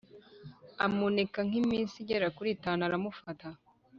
Amuneka nk’iminsi igera kuri itanu aramufata